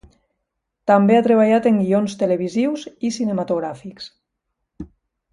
També ha treballat en guions televisius i cinematogràfics.